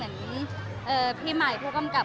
มันเป็นปัญหาจัดการอะไรครับ